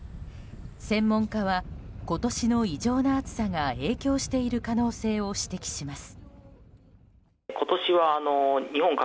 専門家は、今年の異常な暑さが影響している可能性を指摘します。